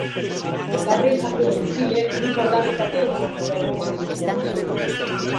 La prensa jugó en Chile un importante papel durante todo el conflicto.